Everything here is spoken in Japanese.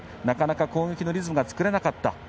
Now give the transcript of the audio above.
なかなか、攻撃のリズムが作れなかった。